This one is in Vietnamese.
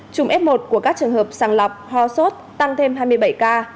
chủng f một của các trường hợp sàng lọc hoa sốt tăng thêm hai mươi bảy ca